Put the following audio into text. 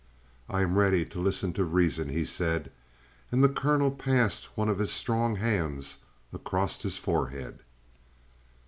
"I am ready to listen to reason," he said. And the colonel passed one of his strong hands across his forehead.